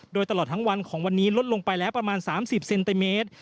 โดยตลอดทั้งวันของวันนี้ลดลงไปแล้วประมาณ๓๐เซนติเมตร